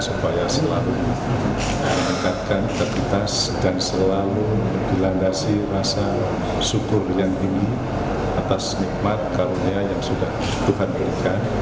supaya selalu meningkatkan integritas dan selalu dilandasi rasa syukur yang tinggi atas nikmat karunia yang sudah tuhan berikan